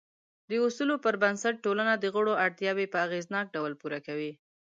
د اصولو پر بنسټ ټولنه د غړو اړتیاوې په اغېزناک ډول پوره کوي.